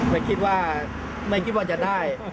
ไม่คิดว่าไม่คิดว่าจะได้